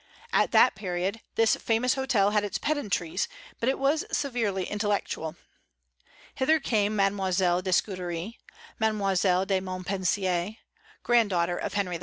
At that period this famous hotel had its pedantries, but it was severely intellectual. Hither came Mademoiselle de Scudéri; Mademoiselle de Montpensier, granddaughter of Henry IV.